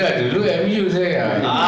iya dulu di m u saya